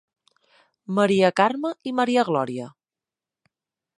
Maria Carme i Maria Glòria.